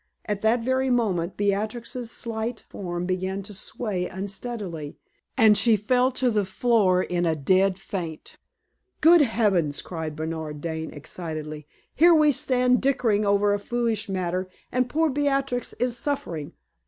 At that very moment Beatrix's slight form began to sway unsteadily, and she fell to the floor in a dead faint. "Good heavens!" cried Bernard Dane, excitedly, "here we stand dickering over a foolish matter, and poor Beatrix is suffering.